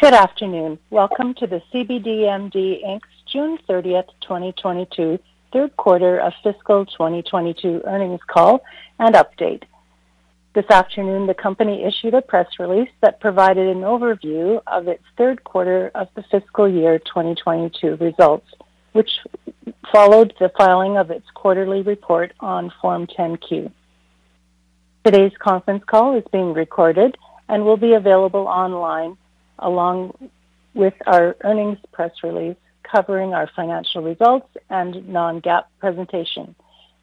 Good afternoon. Welcome to the cbdMD, Inc.'s June 30th, 2022 Third Quarter of Fiscal 2022 Earnings Call and Update. This afternoon, the company issued a press release that provided an overview of its third quarter of the fiscal year 2022 results, which followed the filing of its quarterly report on Form 10-Q. Today's conference call is being recorded and will be available online along with our earnings press release covering our financial results and non-GAAP presentation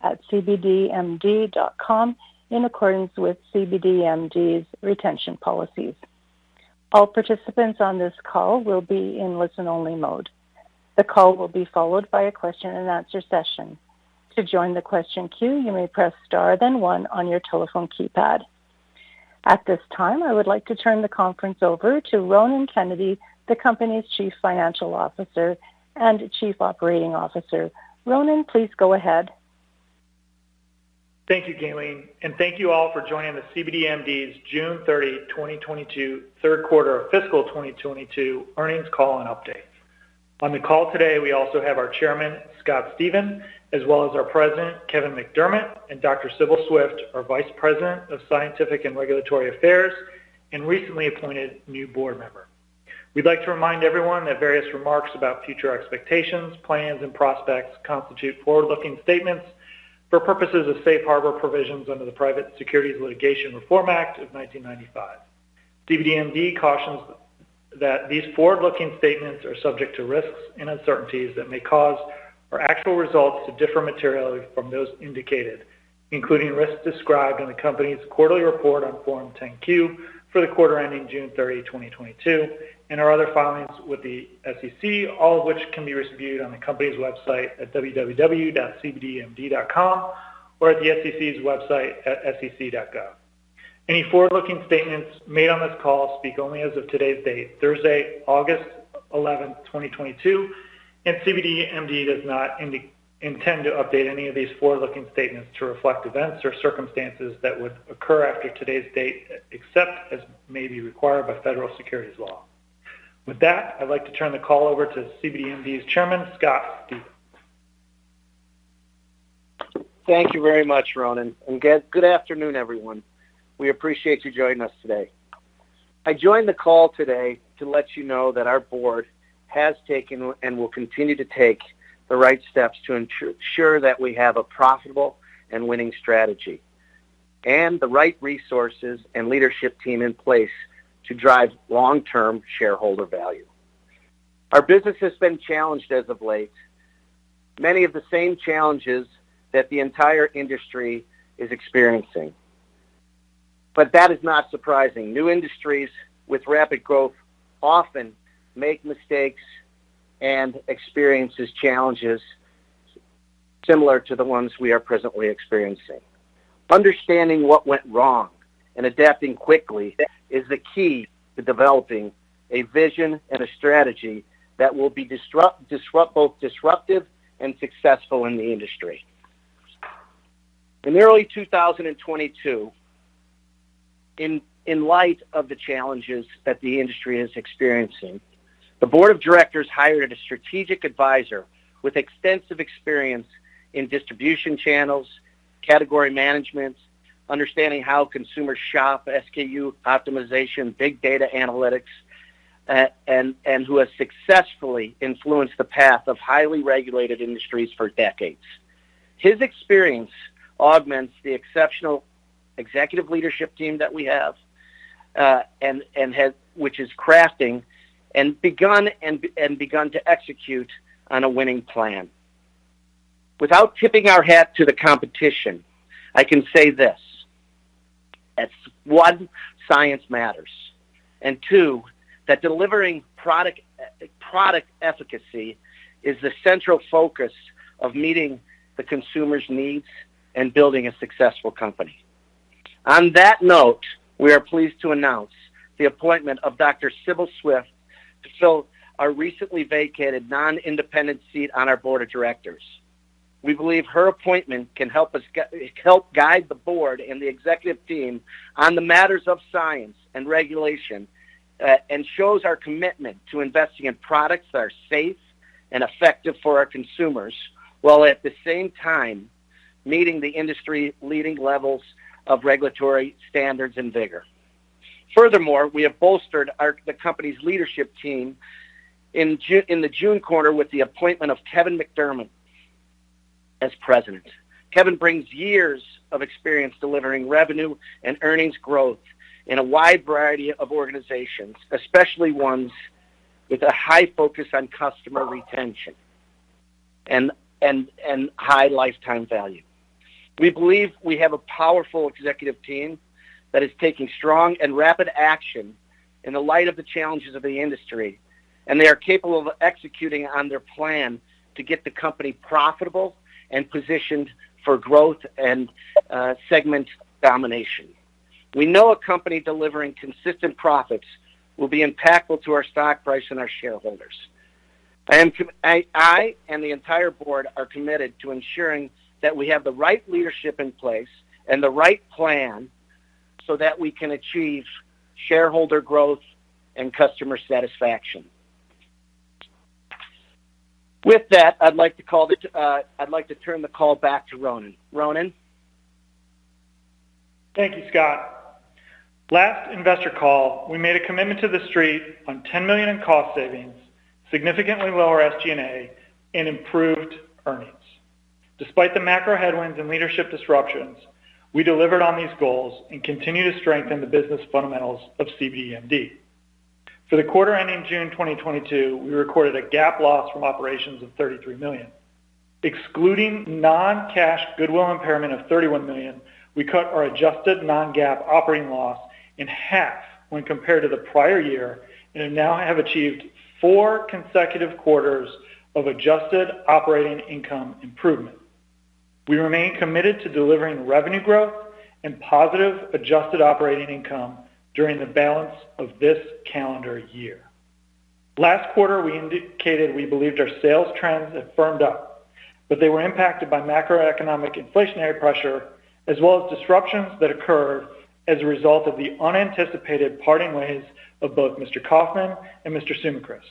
at cbdmd.com in accordance with cbdMD's retention policies. All participants on this call will be in listen-only mode. The call will be followed by a question and answer session. To join the question queue, you may press star then one on your telephone keypad. At this time, I would like to turn the conference over to Ronan Kennedy, the company's Chief Financial Officer and Chief Operating Officer. Ronan, please go ahead. Thank you, Gaylene. Thank you all for joining the cbdMD's June 30, 2022, third quarter of fiscal 2022 earnings call and update. On the call today, we also have our chairman, Scott Stephen, as well as our president, Kevin MacDermott, and Dr. Sibyl Swift, our Vice President of Scientific and Regulatory Affairs, and recently appointed new board member. We'd like to remind everyone that various remarks about future expectations, plans, and prospects constitute forward-looking statements for purposes of safe harbor provisions under the Private Securities Litigation Reform Act of 1995. cbdMD cautions that these forward-looking statements are subject to risks and uncertainties that may cause our actual results to differ materially from those indicated, including risks described in the company's quarterly report on Form 10-Q for the quarter ending June 30, 2022, and our other filings with the SEC, all of which can be reviewed on the company's website at www.cbdmd.com or at the SEC's website at sec.gov. Any forward-looking statements made on this call speak only as of today's date, Thursday, August 11, 2022, and cbdMD does not intend to update any of these forward-looking statements to reflect events or circumstances that would occur after today's date, except as may be required by federal securities law. With that, I'd like to turn the call over to cbdMD's Chairman, Scott Stephen. Thank you very much, Ronan. Good afternoon, everyone. We appreciate you joining us today. I joined the call today to let you know that our board has taken and will continue to take the right steps to ensure that we have a profitable and winning strategy and the right resources and leadership team in place to drive long-term shareholder value. Our business has been challenged as of late, many of the same challenges that the entire industry is experiencing. That is not surprising. New industries with rapid growth often make mistakes and experiences challenges similar to the ones we are presently experiencing. Understanding what went wrong and adapting quickly is the key to developing a vision and a strategy that will be both disruptive and successful in the industry. In early 2022, in light of the challenges that the industry is experiencing, the board of directors hired a strategic advisor with extensive experience in distribution channels, category management, understanding how consumers shop, SKU optimization, big data analytics, and who has successfully influenced the path of highly regulated industries for decades. His experience augments the exceptional executive leadership team that we have, and which is crafting and begun to execute on a winning plan. Without tipping our hat to the competition, I can say this, that one, science matters, and two, that delivering product efficacy is the central focus of meeting the consumer's needs and building a successful company. On that note, we are pleased to announce the appointment of Dr. Sibyl Swift to fill our recently vacated non-independent seat on our Board of Directors. We believe her appointment can help us help guide the board and the executive team on the matters of science and regulation, and shows our commitment to investing in products that are safe and effective for our consumers, while at the same time meeting the industry-leading levels of regulatory standards and vigor. Furthermore, we have bolstered the Company's leadership team in the June quarter with the appointment of Kevin MacDermott as president. Kevin brings years of experience delivering revenue and earnings growth in a wide variety of organizations, especially ones with a high focus on customer retention and high lifetime value. We believe we have a powerful executive team that is taking strong and rapid action in the light of the challenges of the industry, and they are capable of executing on their plan to get the company profitable and positioned for growth and segment domination. We know a company delivering consistent profits will be impactful to our stock price and our shareholders. I and the entire Board are committed to ensuring that we have the right leadership in place and the right plan so that we can achieve shareholder growth and customer satisfaction. With that, I'd like to turn the call back to Ronan. Ronan. Thank you, Scott. Last investor call, we made a commitment to the street on $10 million in cost savings, significantly lower SG&A, and improved earnings. Despite the macro headwinds and leadership disruptions, we delivered on these goals and continue to strengthen the business fundamentals of cbdMD. For the quarter ending June 2022, we recorded a GAAP loss from operations of $33 million. Excluding non-cash goodwill impairment of $31 million, we cut our adjusted non-GAAP operating loss in half when compared to the prior year and now have achieved 4 consecutive quarters of adjusted operating income improvement. We remain committed to delivering revenue growth and positive adjusted operating income during the balance of this calendar year. Last quarter, we indicated we believed our sales trends have firmed up, but they were impacted by macroeconomic inflationary pressure as well as disruptions that occurred as a result of the unanticipated parting ways of both Mr. Coffman and Mr. Sumichrast.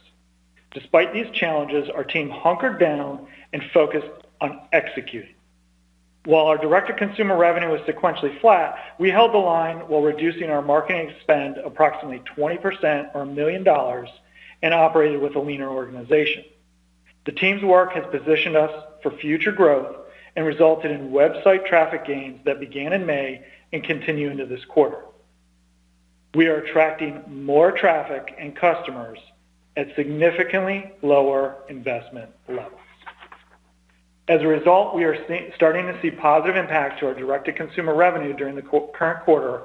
Despite these challenges, our team hunkered down and focused on executing. While our direct-to-consumer revenue was sequentially flat, we held the line while reducing our marketing spend approximately 20% or $1 million and operated with a leaner organization. The team's work has positioned us for future growth and resulted in website traffic gains that began in May and continue into this quarter. We are attracting more traffic and customers at significantly lower investment levels. As a result, we are starting to see positive impact to our direct-to-consumer revenue during the current quarter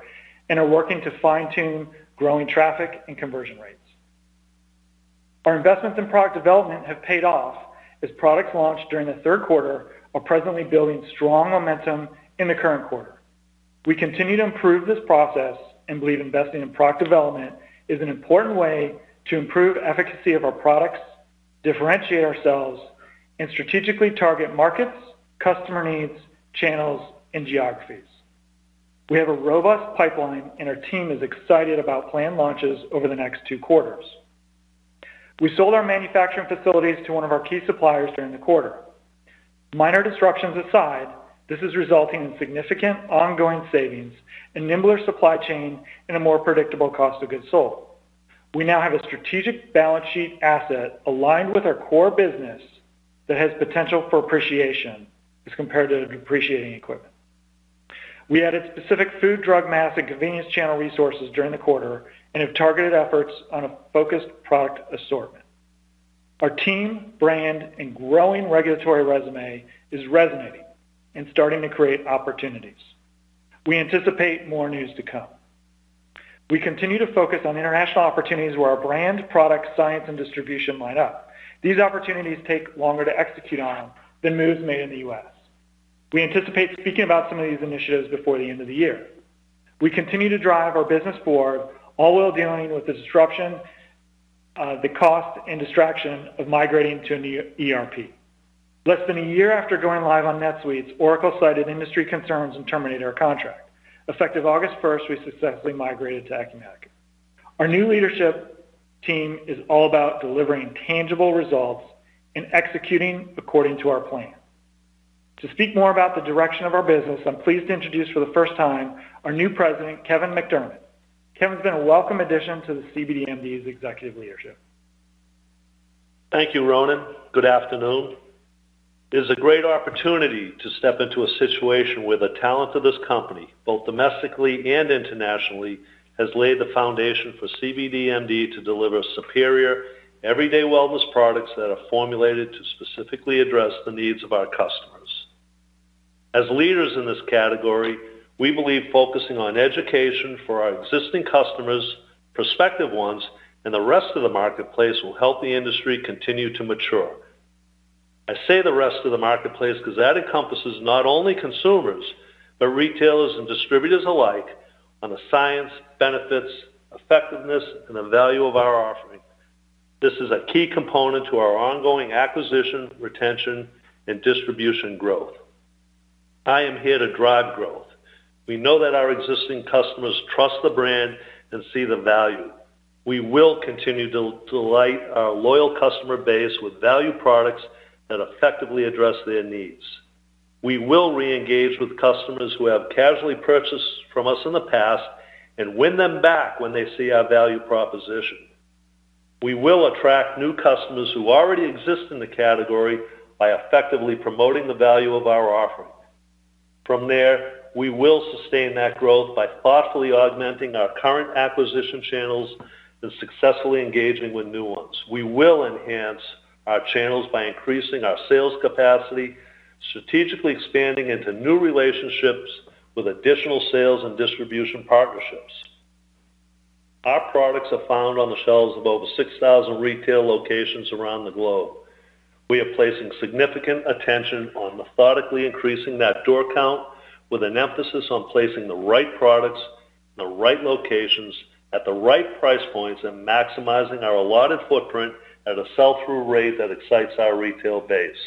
and are working to fine-tune growing traffic and conversion rates. Our investments in product development have paid off as products launched during the third quarter are presently building strong momentum in the current quarter. We continue to improve this process and believe investing in product development is an important way to improve efficacy of our products, differentiate ourselves, and strategically target markets, customer needs, channels, and geographies. We have a robust pipeline, and our team is excited about planned launches over the next two quarters. We sold our manufacturing facilities to one of our key suppliers during the quarter. Minor disruptions aside, this is resulting in significant ongoing savings and nimbler supply chain and a more predictable cost of goods sold. We now have a strategic balance sheet asset aligned with our core business that has potential for appreciation as compared to depreciating equipment. We added specific food, drug, mass, and convenience channel resources during the quarter and have targeted efforts on a focused product assortment. Our team, brand, and growing regulatory resume is resonating and starting to create opportunities. We anticipate more news to come. We continue to focus on international opportunities where our brand, product, science, and distribution line up. These opportunities take longer to execute on than moves made in the U.S. We anticipate speaking about some of these initiatives before the end of the year. We continue to drive our business forward, all while dealing with the disruption, the cost, and distraction of migrating to a new ERP. Less than a year after going live on NetSuite, Oracle cited industry concerns and terminated our contract. Effective August 1st, we successfully migrated to Acumatica. Our new leadership team is all about delivering tangible results and executing according to our plan. To speak more about the direction of our business, I'm pleased to introduce for the first time our new President, Kevin MacDermott. Kevin's been a welcome addition to the cbdMD's executive leadership. Thank you, Ronan. Good afternoon. It is a great opportunity to step into a situation where the talent of this company, both domestically and internationally, has laid the foundation for cbdMD to deliver superior everyday wellness products that are formulated to specifically address the needs of our customers. As leaders in this category, we believe focusing on education for our existing customers, prospective ones, and the rest of the marketplace will help the industry continue to mature. I say the rest of the marketplace 'cause that encompasses not only consumers, but retailers and distributors alike on the science, benefits, effectiveness, and the value of our offering. This is a key component to our ongoing acquisition, retention, and distribution growth. I am here to drive growth. We know that our existing customers trust the brand and see the value. We will continue to delight our loyal customer base with value products that effectively address their needs. We will reengage with customers who have casually purchased from us in the past and win them back when they see our value proposition. We will attract new customers who already exist in the category by effectively promoting the value of our offering. From there, we will sustain that growth by thoughtfully augmenting our current acquisition channels and successfully engaging with new ones. We will enhance our channels by increasing our sales capacity, strategically expanding into new relationships with additional sales and distribution partnerships. Our products are found on the shelves of over 6,000 retail locations around the globe. We are placing significant attention on methodically increasing that door count with an emphasis on placing the right products in the right locations at the right price points and maximizing our allotted footprint at a sell-through rate that excites our retail base.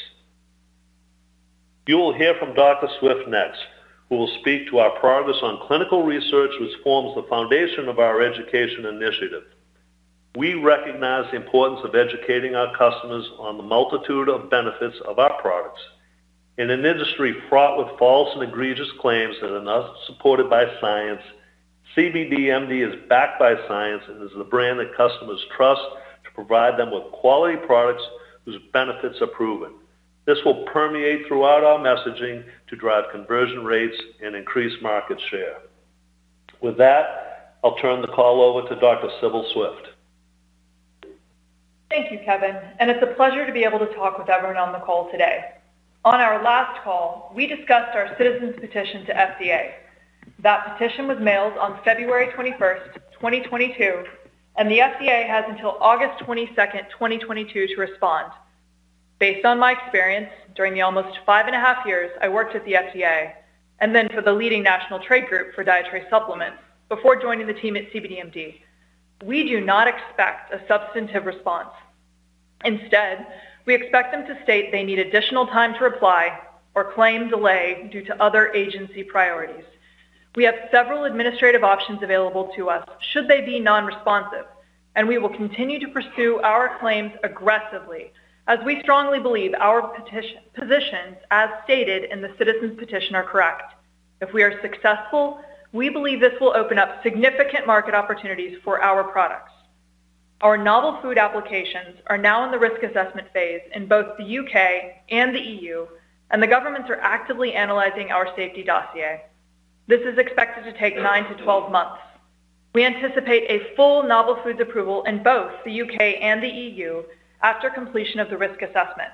You will hear from Dr. Swift next, who will speak to our progress on clinical research, which forms the foundation of our education initiative. We recognize the importance of educating our customers on the multitude of benefits of our products. In an industry fraught with false and egregious claims that are not supported by science, cbdMD is backed by science and is the brand that customers trust to provide them with quality products whose benefits are proven. This will permeate throughout our messaging to drive conversion rates and increase market share. With that, I'll turn the call over to Dr. Sibyl Swift. Thank you, Kevin, and it's a pleasure to be able to talk with everyone on the call today. On our last call, we discussed our Citizen Petition to FDA. That petition was mailed on February 21st, 2022, and the FDA has until August 22nd, 2022 to respond. Based on my experience during the almost five and a half years I worked at the FDA and then for the leading national trade group for dietary supplements before joining the team at cbdMD, we do not expect a substantive response. Instead, we expect them to state they need additional time to reply or claim delay due to other agency priorities. We have several administrative options available to us should they be non-responsive, and we will continue to pursue our claims aggressively as we strongly believe our petition positions as stated in the Citizen Petition are correct. If we are successful, we believe this will open up significant market opportunities for our products. Our novel food applications are now in the risk assessment phase in both the UK and the EU, and the governments are actively analyzing our safety dossier. This is expected to take 9-12 months. We anticipate a full novel foods approval in both the UK and the EU after completion of the risk assessment.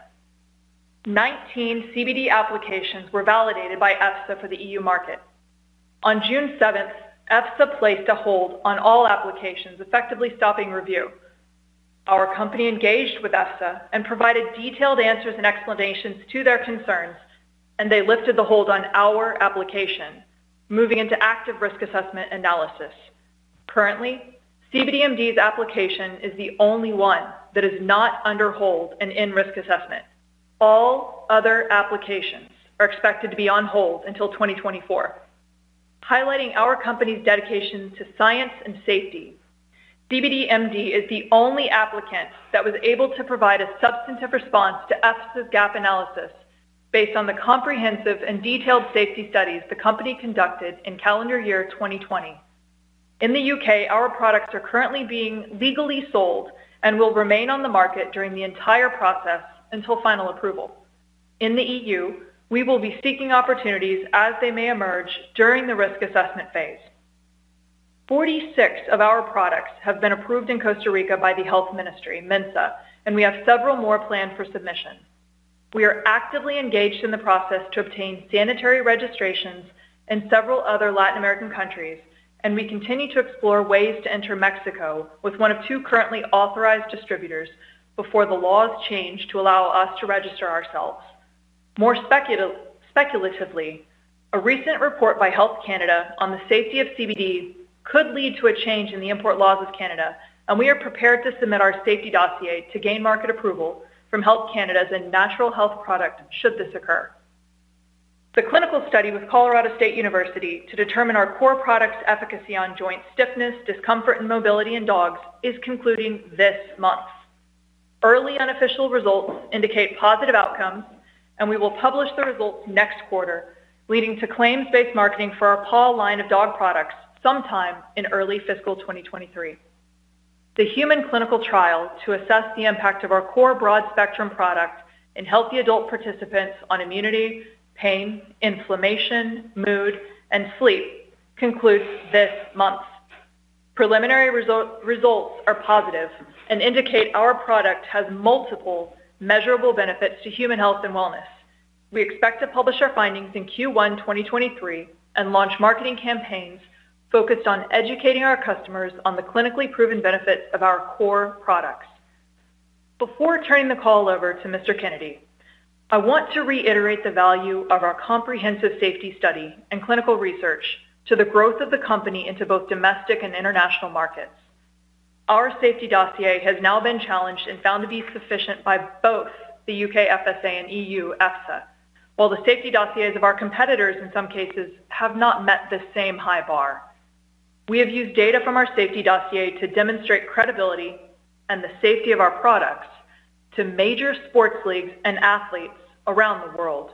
19 CBD applications were validated by EFSA for the EU market. On June 7th, EFSA placed a hold on all applications, effectively stopping review. Our company engaged with EFSA and provided detailed answers and explanations to their concerns, and they lifted the hold on our application, moving into active risk assessment analysis. Currently, cbdMD's application is the only one that is not under hold and in risk assessment. All other applications are expected to be on hold until 2024. Highlighting our company's dedication to science and safety, cbdMD is the only applicant that was able to provide a substantive response to EFSA's gap analysis based on the comprehensive and detailed safety studies the company conducted in calendar year 2020. In the U.K., our products are currently being legally sold and will remain on the market during the entire process until final approval. In the E.U., we will be seeking opportunities as they may emerge during the risk assessment phase. 46 of our products have been approved in Costa Rica by the Health Ministry, MINSA, and we have several more planned for submission. We are actively engaged in the process to obtain sanitary registrations in several other Latin American countries, and we continue to explore ways to enter Mexico with one of two currently authorized distributors before the laws change to allow us to register ourselves. More speculatively, a recent report by Health Canada on the safety of CBD could lead to a change in the import laws of Canada, and we are prepared to submit our safety dossier to gain market approval from Health Canada as a natural health product, should this occur. The clinical study with Colorado State University to determine our core product's efficacy on joint stiffness, discomfort, and mobility in dogs is concluding this month. Early unofficial results indicate positive outcomes, and we will publish the results next quarter, leading to claims-based marketing for our Paw line of dog products sometime in early fiscal 2023. The human clinical trial to assess the impact of our core broad-spectrum product in healthy adult participants on immunity, pain, inflammation, mood, and sleep concludes this month. Preliminary results are positive and indicate our product has multiple measurable benefits to human health and wellness. We expect to publish our findings in Q1 2023 and launch marketing campaigns focused on educating our customers on the clinically proven benefits of our core products. Before turning the call over to Mr. Kennedy, I want to reiterate the value of our comprehensive safety study and clinical research to the growth of the company into both domestic and international markets. Our safety dossier has now been challenged and found to be sufficient by both the UK FSA and EU EFSA, while the safety dossiers of our competitors in some cases have not met the same high bar. We have used data from our safety dossier to demonstrate credibility and the safety of our products to major sports leagues and athletes around the world.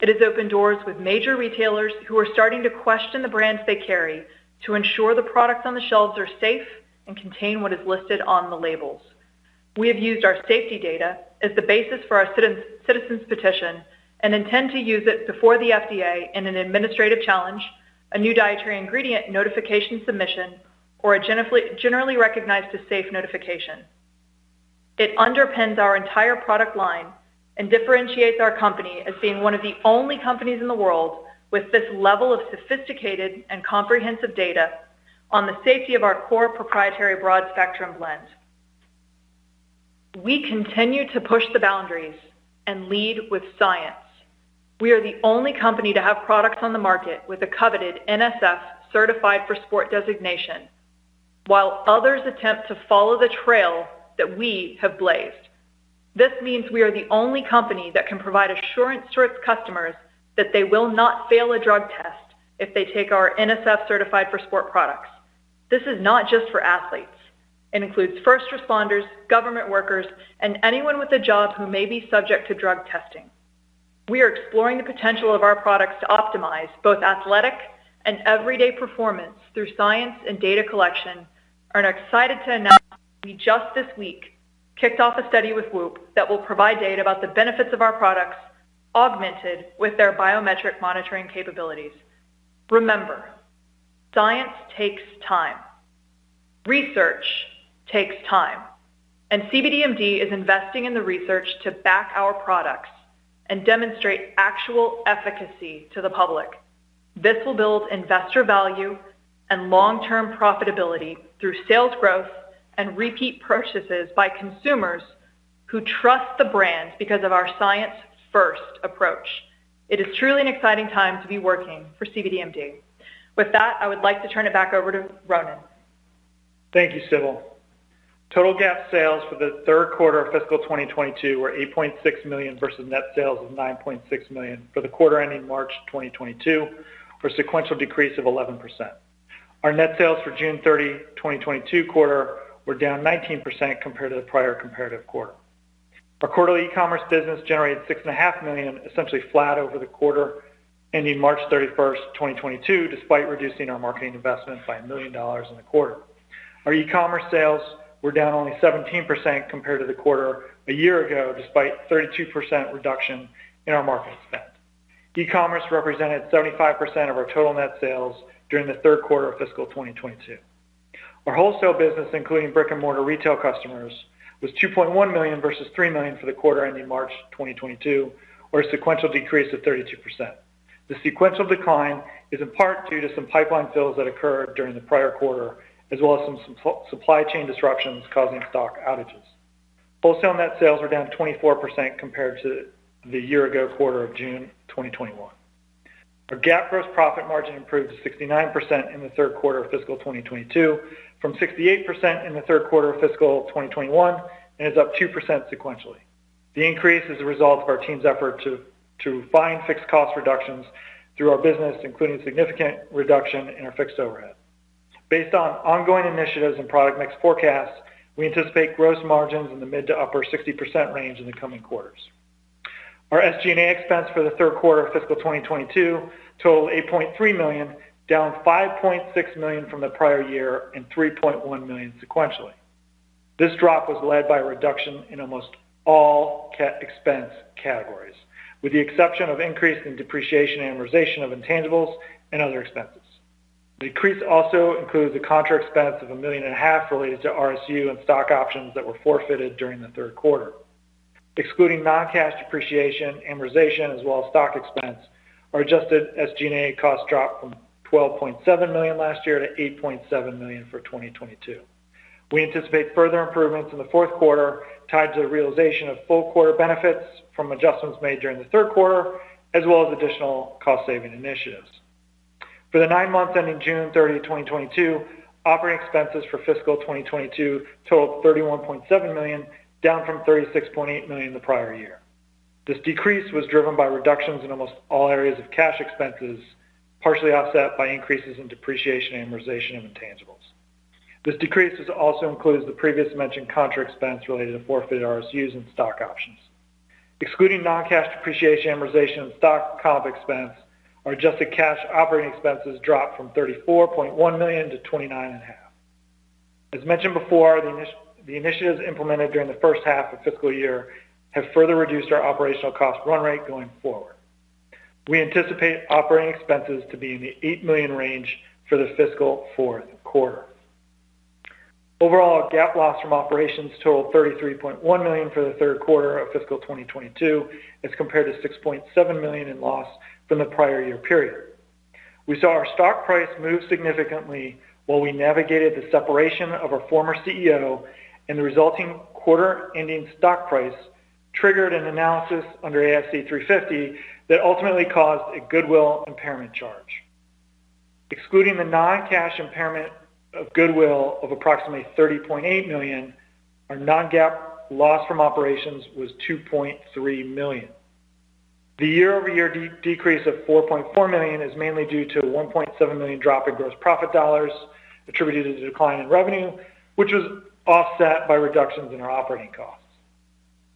It has opened doors with major retailers who are starting to question the brands they carry to ensure the products on the shelves are safe and contain what is listed on the labels. We have used our safety data as the basis for our Citizen Petition and intend to use it before the FDA in an administrative challenge, a New Dietary Ingredient Notification submission, or a generally recognized as safe notification. It underpins our entire product line and differentiates our company as being one of the only companies in the world with this level of sophisticated and comprehensive data on the safety of our core proprietary broad-spectrum blend. We continue to push the boundaries and lead with science. We are the only company to have products on the market with a coveted NSF Certified for Sport designation, while others attempt to follow the trail that we have blazed. This means we are the only company that can provide assurance to its customers that they will not fail a drug test if they take our NSF Certified for Sport products. This is not just for athletes. It includes first responders, government workers, and anyone with a job who may be subject to drug testing. We are exploring the potential of our products to optimize both athletic and everyday performance through science and data collection, and are excited to announce we just this week kicked off a study with Whoop that will provide data about the benefits of our products augmented with their biometric monitoring capabilities. Remember, science takes time. Research takes time. cbdMD is investing in the research to back our products and demonstrate actual efficacy to the public. This will build investor value and long-term profitability through sales growth and repeat purchases by consumers who trust the brand because of our science-first approach. It is truly an exciting time to be working for cbdMD. With that, I would like to turn it back over to Ronan. Thank you, Sibyl. Total GAAP sales for the third quarter of fiscal 2022 were $8.6 million versus net sales of $9.6 million for the quarter ending March 2022 for a sequential decrease of 11%. Our net sales for June 30, 2022 quarter were down 19% compared to the prior comparative quarter. Our quarterly e-commerce business generated $6.5 million, essentially flat over the quarter ending March 31, 2022, despite reducing our marketing investment by $1 million in the quarter. Our e-commerce sales were down only 17% compared to the quarter a year ago, despite 32% reduction in our marketing spend. E-commerce represented 75% of our total net sales during the third quarter of fiscal 2022. Our wholesale business, including brick-and-mortar retail customers, was $2.1 million versus $3 million for the quarter ending March 2022, or a sequential decrease of 32%. The sequential decline is in part due to some pipeline fills that occurred during the prior quarter, as well as some supply chain disruptions causing stock outages. Wholesale net sales are down 24% compared to the year ago quarter of June 2021. Our GAAP gross profit margin improved to 69% in the third quarter of fiscal 2022 from 68% in the third quarter of fiscal 2021 and is up 2% sequentially. The increase is a result of our team's effort to find fixed cost reductions through our business, including significant reduction in our fixed overhead. Based on ongoing initiatives and product mix forecasts, we anticipate gross margins in the mid- to upper-60% range in the coming quarters. Our SG&A expense for the third quarter of fiscal 2022 totaled $8.3 million, down $5.6 million from the prior year and $3.1 million sequentially. This drop was led by a reduction in almost all expense categories, with the exception of increase in depreciation and amortization of intangibles and other expenses. Decrease also includes a contra expense of $1.5 million related to RSU and stock options that were forfeited during the third quarter. Excluding non-cash depreciation, amortization, as well as stock expense, our adjusted SG&A costs dropped from $12.7 million last year to $8.7 million for 2022. We anticipate further improvements in the fourth quarter tied to the realization of full quarter benefits from adjustments made during the third quarter, as well as additional cost-saving initiatives. For the nine months ending June 30, 2022, operating expenses for fiscal 2022 totaled $31.7 million, down from $36.8 million the prior year. This decrease was driven by reductions in almost all areas of cash expenses, partially offset by increases in depreciation and amortization of intangibles. This decrease also includes the previously mentioned contra expense related to forfeited RSUs and stock options. Excluding non-cash depreciation, amortization, and stock comp expense, our adjusted cash operating expenses dropped from $34.1 million to $29.5 million. As mentioned before, the initiatives implemented during the first half of fiscal year have further reduced our operational cost run rate going forward. We anticipate operating expenses to be in the $8 million range for the fiscal fourth quarter. Overall, GAAP loss from operations totaled $33.1 million for the third quarter of fiscal 2022 as compared to $6.7 million in loss from the prior year period. We saw our stock price move significantly while we navigated the separation of our former CEO and the resulting quarter-ending stock price triggered an analysis under ASC 350 that ultimately caused a goodwill impairment charge. Excluding the non-cash impairment of goodwill of approximately $30.8 million, our non-GAAP loss from operations was $2.3 million. The year-over-year decrease of $4.4 million is mainly due to a $1.7 million drop in gross profit dollars attributed to the decline in revenue, which was offset by reductions in our operating costs.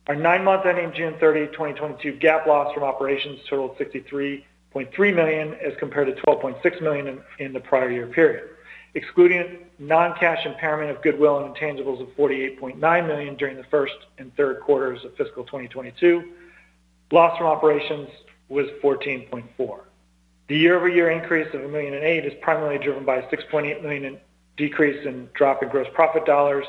Our nine-month ending June 30, 2022 GAAP loss from operations totaled $63.3 million as compared to $12.6 million in the prior year period. Excluding non-cash impairment of goodwill and intangibles of $48.9 million during the first and third quarters of fiscal 2022, loss from operations was 14.4%. The year-over-year increase of $1.008 million is primarily driven by a $6.8 million decrease in gross profit dollars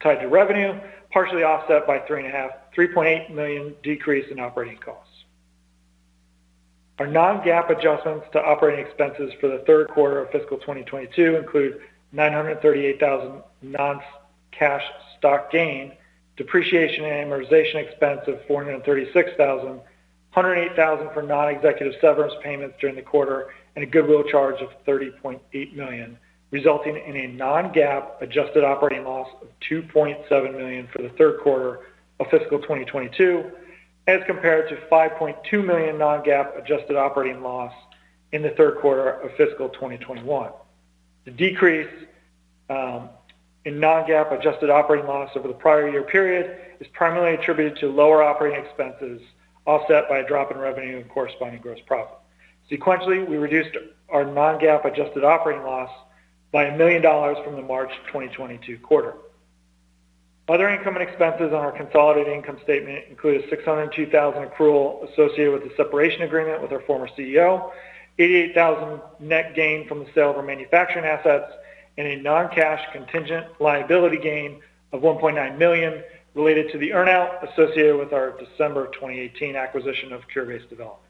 tied to revenue, partially offset by $3.8 million decrease in operating costs. Our non-GAAP adjustments to operating expenses for the third quarter of fiscal 2022 include $938 thousand non-cash stock gain, depreciation and amortization expense of $436 thousand, $108 thousand for non-executive severance payments during the quarter, and a goodwill charge of $30.8 million, resulting in a non-GAAP adjusted operating loss of $2.7 million for the third quarter of fiscal 2022 as compared to $5.2 million non-GAAP adjusted operating loss in the third quarter of fiscal 2021. The decrease in non-GAAP adjusted operating loss over the prior year period is primarily attributed to lower operating expenses, offset by a drop in revenue and corresponding gross profit. Sequentially, we reduced our non-GAAP adjusted operating loss by $1 million from the March 2022 quarter. Other income and expenses on our consolidated income statement include a $602,000 accrual associated with the separation agreement with our former CEO, $88,000 net gain from the sale of our manufacturing assets, and a non-cash contingent liability gain of $1.9 million related to the earn-out associated with our December 2018 acquisition of Cure Based Development.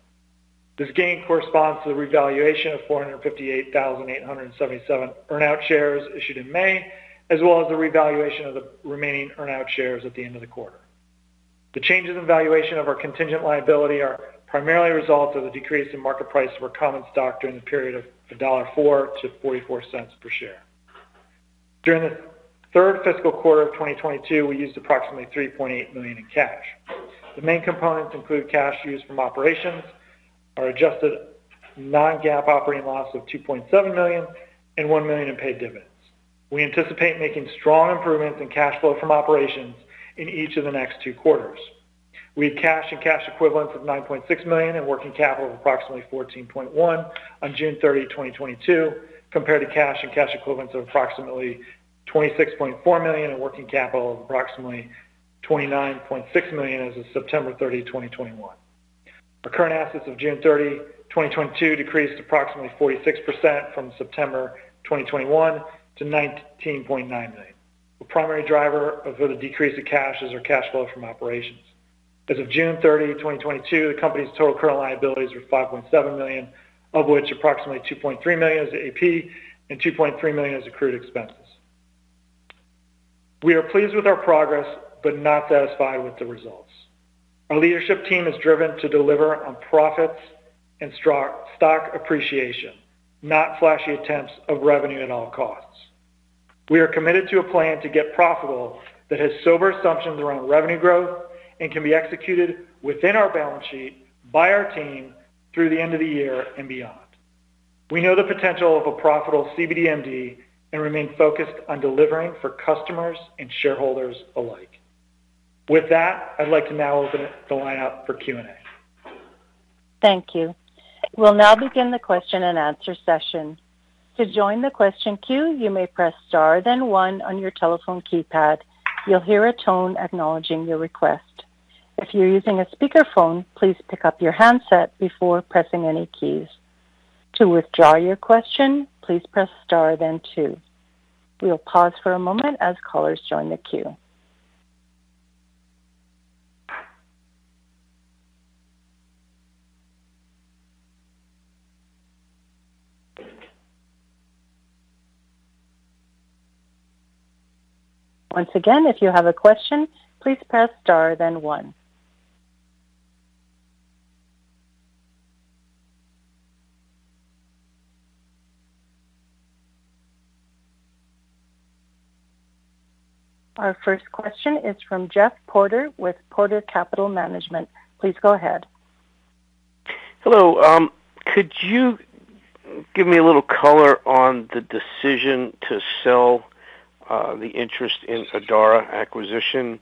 This gain corresponds to the revaluation of 458,877 earn-out shares issued in May, as well as the revaluation of the remaining earn-out shares at the end of the quarter. The changes in valuation of our contingent liability are primarily a result of the decrease in market price of our common stock during the period of $1.04-$0.44 per share. During the third fiscal quarter of 2022, we used approximately $3.8 million in cash. The main components include cash used from operations, our adjusted non-GAAP operating loss of $2.7 million and $1 million in paid dividends. We anticipate making strong improvements in cash flow from operations in each of the next two quarters. We had cash and cash equivalents of $9.6 million and working capital of approximately $14.1 million on June 30, 2022, compared to cash and cash equivalents of approximately $26.4 million and working capital of approximately $29.6 million as of September 30, 2021. Our current assets as of June 30, 2022 decreased approximately 46% from September 2021 to $19.9 million. The primary driver of the decrease in cash is our cash flow from operations. As of June 30, 2022, the company's total current liabilities were $5.7 million, of which approximately $2.3 million is AP and $2.3 million is accrued expenses. We are pleased with our progress but not satisfied with the results. Our leadership team is driven to deliver on profits and stock appreciation, not flashy attempts of revenue at all costs. We are committed to a plan to get profitable that has sober assumptions around revenue growth and can be executed within our balance sheet by our team through the end of the year and beyond. We know the potential of a profitable cbdMD and remain focused on delivering for customers and shareholders alike. With that, I'd like to now open the line up for Q&A. Thank you. We'll now begin the question and answer session. To join the question queue, you may press Star, then one on your telephone keypad. You'll hear a tone acknowledging your request. If you're using a speakerphone, please pick up your handset before pressing any keys. To withdraw your question, please press Star, then two. We'll pause for a moment as callers join the queue. Once again, if you have a question, please press Star, then one. Our first question is from Jeff Porter with Porter Capital Management. Please go ahead. Hello. Could you give me a little color on the decision to sell the interest in Adara Acquisition?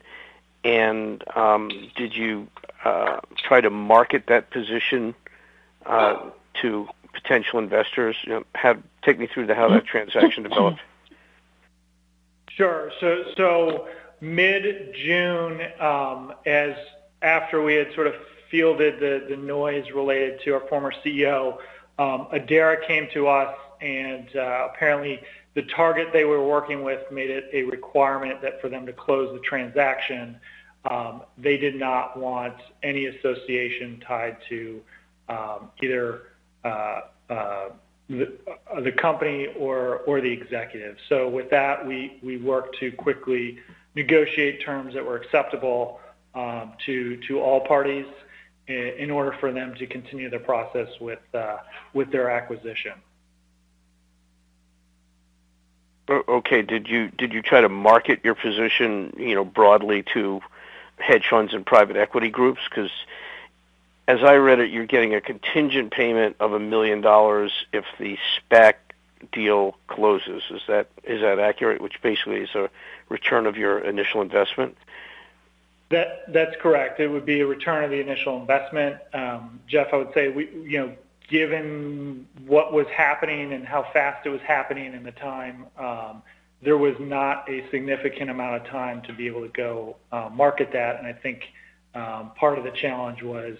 Did you try to market that position to potential investors? You know, take me through how that transaction developed. Sure. Mid-June, after we had sort of fielded the noise related to our former CEO, Adara came to us, and apparently the target they were working with made it a requirement that for them to close the transaction, they did not want any association tied to either the company or the executive. With that, we worked to quickly negotiate terms that were acceptable to all parties in order for them to continue their process with their acquisition. Okay. Did you try to market your position, you know, broadly to hedge funds and private equity groups? 'Cause as I read it, you're getting a contingent payment of $1 million if the SPAC deal closes. Is that accurate, which basically is a return of your initial investment? That's correct. It would be a return of the initial investment. Jeff, I would say we, given what was happening and how fast it was happening at the time, there was not a significant amount of time to be able to go to market that. I think part of the challenge was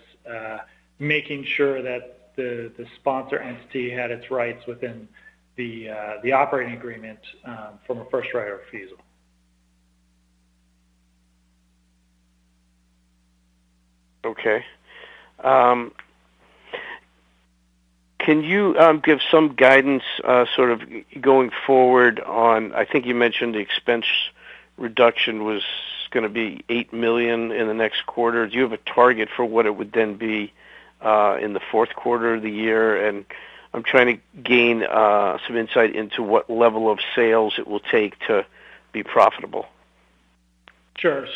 making sure that the sponsor entity had its rights within the operating agreement from a first right of refusal. Okay. Can you give some guidance, sort of going forward on? I think you mentioned the expense reduction was gonna be $8 million in the next quarter. Do you have a target for what it would then be in the fourth quarter of the year? I'm trying to gain some insight into what level of sales it will take to be profitable. Sure.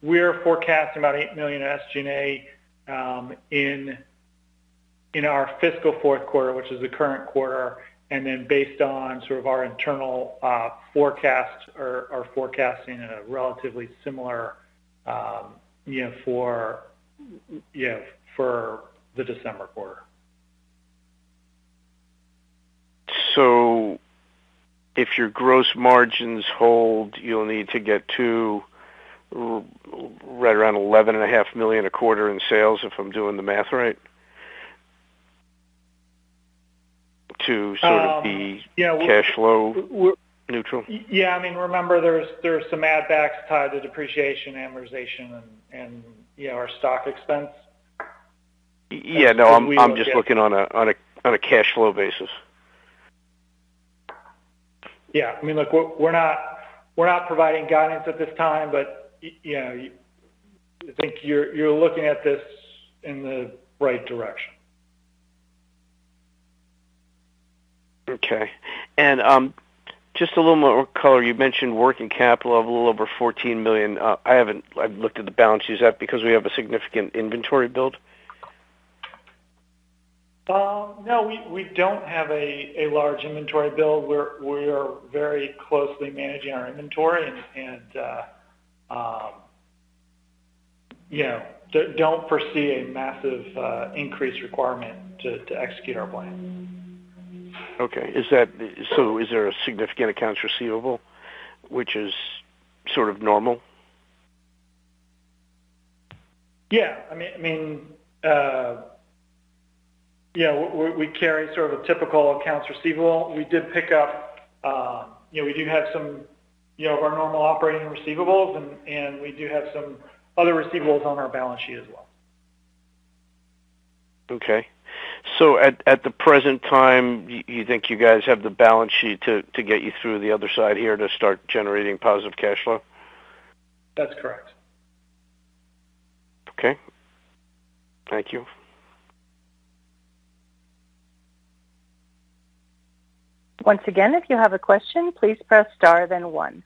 We're forecasting about $8 million SG&A in our fiscal fourth quarter, which is the current quarter. Based on sort of our internal forecast or our forecasting in a relatively similar you know for the December quarter. If your gross margins hold, you'll need to get to right around $11.5 million a quarter in sales, if I'm doing the math right, to sort of be cash flow neutral. Yeah. I mean, remember there's some add backs tied to depreciation, amortization and you know, our stock expense. Yeah. No, I'm just looking on a cash flow basis. Yeah. I mean, look, we're not providing guidance at this time, but, you know, I think you're looking at this in the right direction. Okay. Just a little more color. You mentioned working capital of a little over $14 million. I haven't looked at the balance sheet yet because we have a significant inventory build. No, we don't have a large inventory build. We are very closely managing our inventory and, you know, don't foresee a massive increase requirement to execute our plan. Okay. Is there a significant accounts receivable which is sort of normal? Yeah. I mean, you know, we carry sort of a typical accounts receivable. We did pick up, you know, we do have some, you know, of our normal operating receivables and we do have some other receivables on our balance sheet as well. Okay. At the present time, you think you guys have the balance sheet to get you through the other side here to start generating positive cash flow? That's correct. Okay. Thank you. Once again, if you have a question, please press Star then one.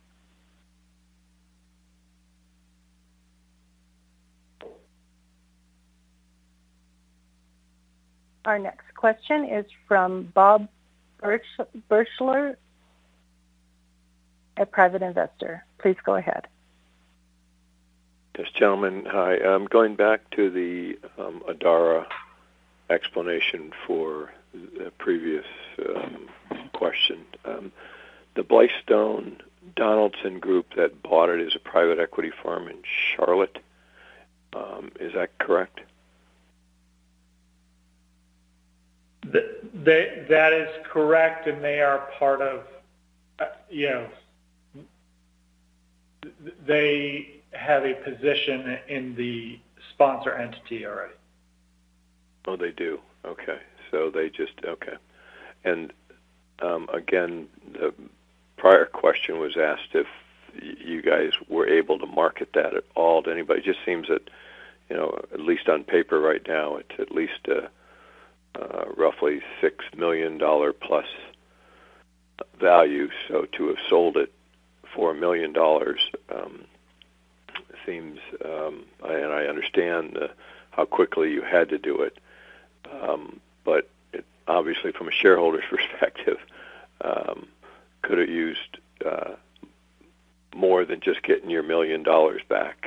Our next question is from [Bob Buechler], a private investor. Please go ahead. Yes, gentlemen. Hi. I'm going back to the Adara explanation for the previous question. The Blystone & Donaldson group that bought it is a private equity firm in Charlotte, is that correct? That is correct. They are part of, you know, they have a position in the sponsor entity already. Oh, they do. Okay. Again, the prior question was asked if you guys were able to market that at all to anybody. Just seems that, you know, at least on paper right now, it's at least a roughly $6 million-plus value. To have sold it for $1 million seems, and I understand how quickly you had to do it. But obviously from a shareholder's perspective, could have used more than just getting your $1 million back.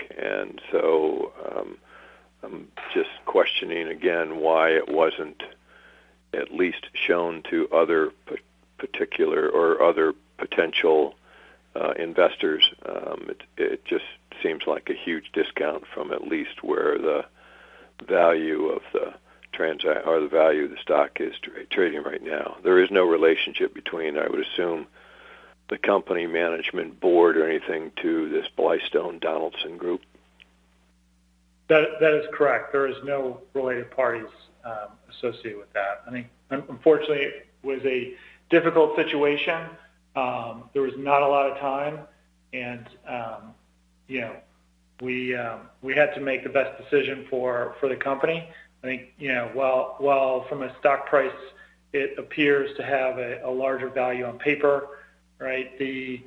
I'm just questioning again why it wasn't at least shown to other particular or other potential investors. It just seems like a huge discount from at least where the value of the transaction or the value of the stock is trading right now. There is no relationship between, I would assume, the company management board or anything to this Blystone & Donaldson group. That is correct. There is no related parties associated with that. I mean, unfortunately, it was a difficult situation. There was not a lot of time. You know, we had to make the best decision for the company. I think, you know, while from a stock price it appears to have a larger value on paper, right? You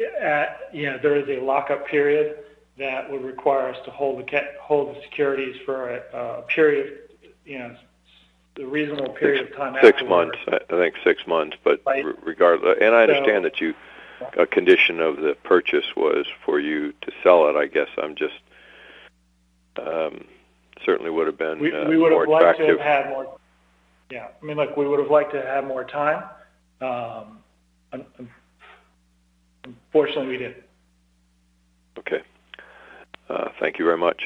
know, there is a lockup period that would require us to hold the securities for a period, you know, the reasonable period of time. six months. I think six months. Regardless. I understand that you, a condition of the purchase was for you to sell it, I guess. I'm just certainly would have been more attractive. Yeah. I mean, look, we would have liked to have more time, unfortunately, we didn't. Okay. Thank you very much.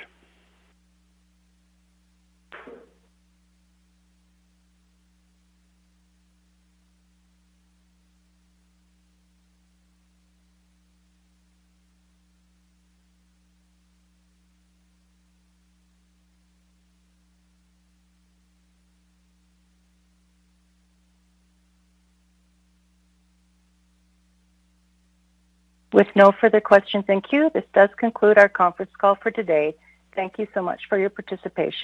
With no further questions in queue, this does conclude our conference call for today. Thank you so much for your participation.